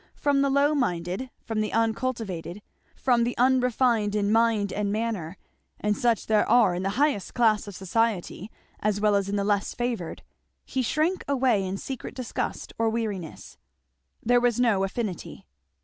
From the low minded, from the uncultivated, from the unrefined in mind and manner, and such there are in the highest class of society as well as in the less favoured, he shrank away in secret disgust or weariness. There was no affinity.